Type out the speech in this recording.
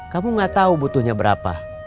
kamu gak tahu butuhnya berapa